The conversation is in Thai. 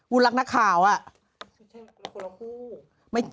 วูลลักษณ์นักข่าวอ่ะ